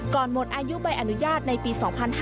หมดอายุใบอนุญาตในปี๒๕๕๙